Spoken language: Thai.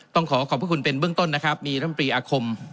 ต้องขอขอบพระคุณเป็นเบื้องต้นนะครับมีร่ำปรีอาคม